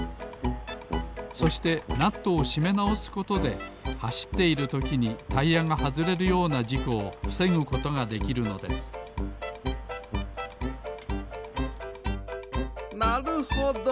そしてナットをしめなおすことではしっているときにタイヤがはずれるようなじこをふせぐことができるのですなるほど！